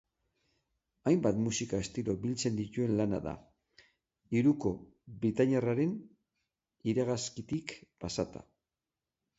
Hainbat musika estilo biltzen dituen lana da, hiruko britainiarraren iragazkitik pasata.